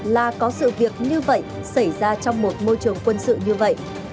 là có sự việc như vậy xảy ra trong một môi trường quân sự như vậy